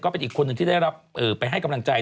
เป็นอีกคนหนึ่งที่ได้รับไปให้กำลังใจ